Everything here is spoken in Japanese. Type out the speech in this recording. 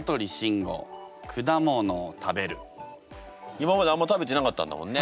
今まであんま食べてなかったんだもんね。